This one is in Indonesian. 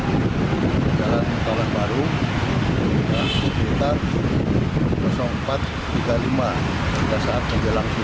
di jalan kota baru sekitar empat tiga puluh lima saat menjelang sini